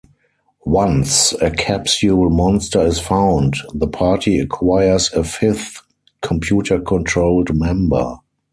Once a Capsule monster is found, the party acquires a fifth, computer controlled member.